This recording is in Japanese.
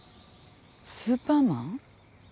スーパーマン？